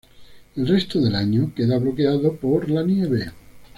El resto del año queda bloqueado por la nieve.